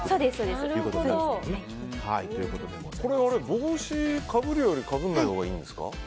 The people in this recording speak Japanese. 帽子をかぶるよりかぶらないほうがいいんですか？